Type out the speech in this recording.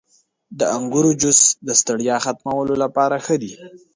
• د انګورو جوس د ستړیا ختمولو لپاره ښه دی.